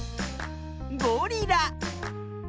ゴリラ。